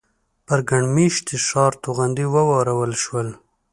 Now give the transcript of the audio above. پر ګڼ مېشتي ښار توغندي وورول شول.